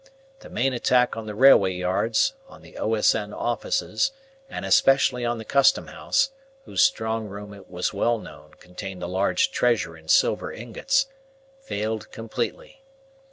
The main attack on the railway yards, on the O.S.N. Offices, and especially on the Custom House, whose strong room, it was well known, contained a large treasure in silver ingots, failed completely.